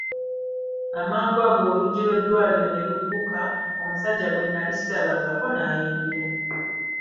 Amangu ago oluggi iw'eddiiro ne lugguka, omusajja gwe nnali sirabangako n'ayingira.